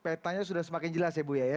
petanya sudah semakin jelas ya bu ya